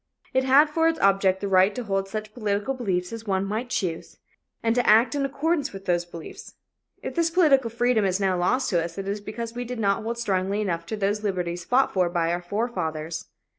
It had for its object the right to hold such political beliefs as one might choose, and to act in accordance with those beliefs. If this political freedom is now lost to us, it is because we did not hold strongly enough to those liberties fought for by our forefathers.